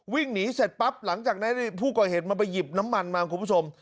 วิ่งหนีเสร็จปั๊บหลังจากนั้นผู้ก่อเหตุมันไปหยิบน้ำมันมาคุณผู้ชม